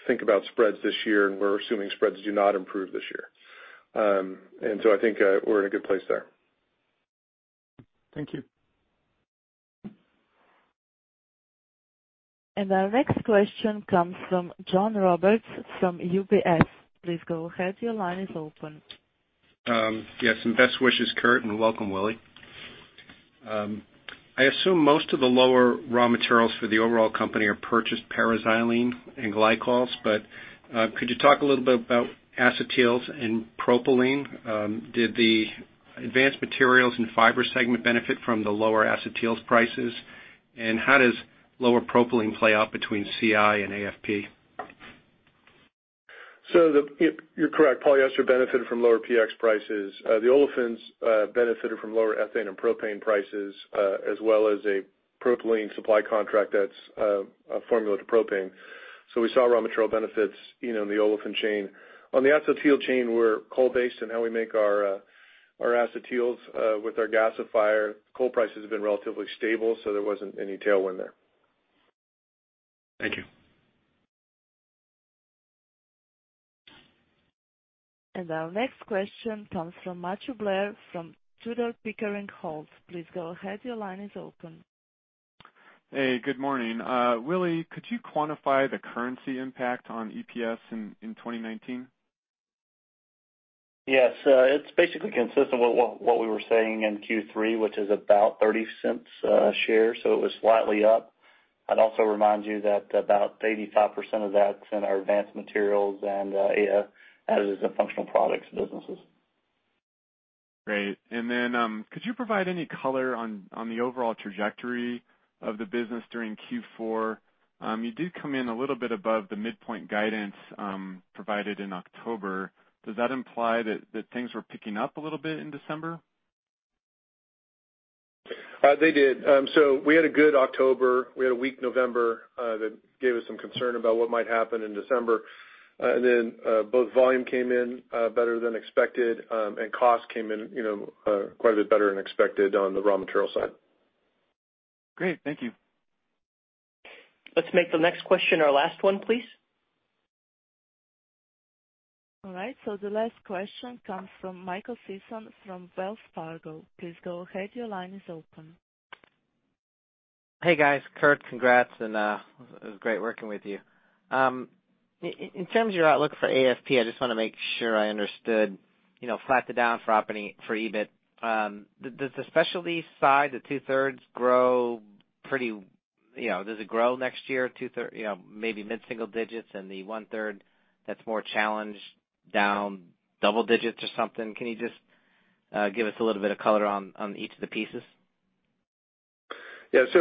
think about spreads this year, and we're assuming spreads do not improve this year. I think we're in a good place there. Thank you. Our next question comes from John Roberts from UBS. Please go ahead. Your line is open. Yes. Best wishes, Curt, and welcome, Willie. I assume most of the lower raw materials for the overall company are purchased paraxylene and glycols, but could you talk a little bit about acetyls and propylene? Did the Advanced Materials and Fibers segment benefit from the lower acetyls prices? How does lower propylene play out between CI and AFP? You're correct. Polyester benefited from lower PX prices. The olefins benefited from lower ethane and propane prices as well as a propylene supply contract that's formulated to propane. We saw raw material benefits in the olefin chain. On the acetyl chain, we're coal-based on how we make our acetyls with our gasifier. Coal prices have been relatively stable, so there wasn't any tailwind there. Thank you. Our next question comes from Matthew Blair from Tudor, Pickering, Holt. Please go ahead. Your line is open. Hey, good morning. Willie, could you quantify the currency impact on EPS in 2019? Yes. It's basically consistent with what we were saying in Q3, which is about $0.30 a share. It was slightly up. I'd also remind you that about 85% of that's in our Advanced Materials and AFP, as is in Functional Products businesses. Great. Could you provide any color on the overall trajectory of the business during Q4? You did come in a little bit above the midpoint guidance provided in October. Does that imply that things were picking up a little bit in December? They did. We had a good October. We had a weak November that gave us some concern about what might happen in December. Both volume came in better than expected, and cost came in quite a bit better than expected on the raw material side. Great. Thank you. Let's make the next question our last one, please. All right. The last question comes from Mike Sison from Wells Fargo. Please go ahead. Your line is open. Hey, guys. Curtis, congrats, and it was great working with you. In terms of your outlook for AFP, I just want to make sure I understood flat to down for EBIT. Does the specialty side, the two-thirds grow next year, maybe mid-single-digits and the one-third that's more challenged down double-digits or something? Can you just give us a little bit of color on each of the pieces? First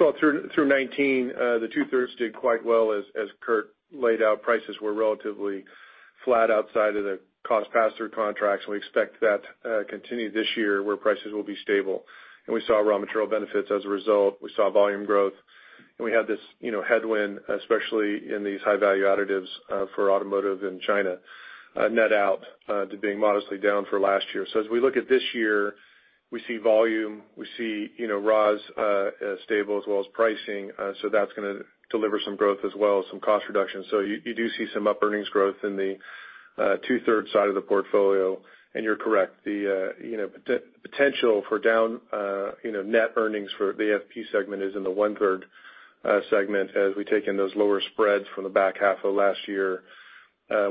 of all, through 2019, the two-thirds did quite well as Curtis laid out. Prices were relatively flat outside of the cost pass-through contracts, we expect that to continue this year where prices will be stable. We saw raw material benefits as a result. We saw volume growth, we had this headwind, especially in these high-value additives for automotive in China, net out to being modestly down for last year. As we look at this year, we see volume, we see raws stable as well as pricing. That's going to deliver some growth as well as some cost reduction. You do see some up earnings growth in the two-third side of the portfolio. You're correct. The potential for down net earnings for the AFP segment is in the one-third segment as we take in those lower spreads from the back half of last year.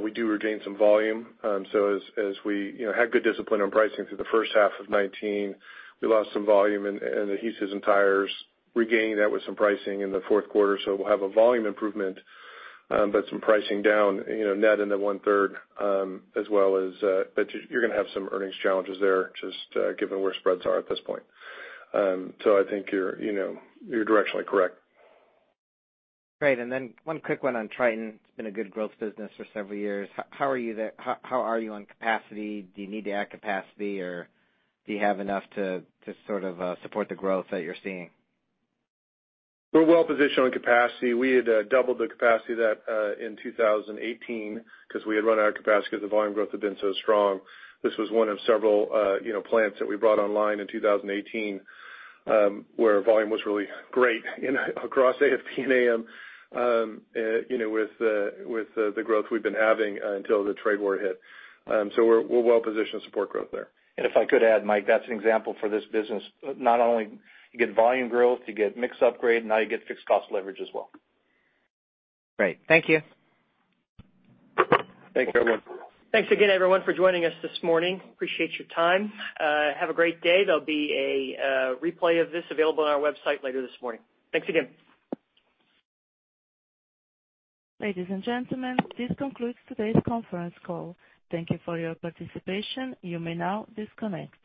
We do retain some volume. As we had good discipline on pricing through the first half of 2019, we lost some volume in adhesives and tires, regaining that with some pricing in the fourth quarter. We'll have a volume improvement, but some pricing down net in the one-third as well as. You're going to have some earnings challenges there, just given where spreads are at this point. I think you're directionally correct. Great. One quick one on Tritan. It's been a good growth business for several years. How are you on capacity? Do you need to add capacity, or do you have enough to sort of support the growth that you're seeing? We're well-positioned on capacity. We had doubled the capacity in 2018 because we had run out of capacity because the volume growth had been so strong. This was one of several plants that we brought online in 2018 where volume was really great across AFP and AM with the growth we've been having until the trade war hit. We're well-positioned to support growth there. If I could add, Mike, that's an example for this business. Not only you get volume growth, you get mix upgrade, now you get fixed cost leverage as well. Great. Thank you. Thanks, everyone. Thanks again, everyone, for joining us this morning. Appreciate your time. Have a great day. There'll be a replay of this available on our website later this morning. Thanks again. Ladies and gentlemen, this concludes today's conference call. Thank you for your participation. You may now disconnect.